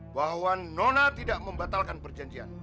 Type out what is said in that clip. bahwa nona tidak membatalkan perjanjian